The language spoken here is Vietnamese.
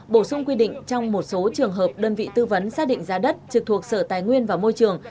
bổ sung quy định trong một số trường hợp đơn vị tư vấn xác định giá đất trực thuộc sở tài nguyên và môi trường